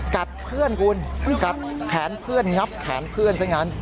กัดเพื่อนคุณกัดแขนเพื่อนงับแขนเพื่อนซะงั้น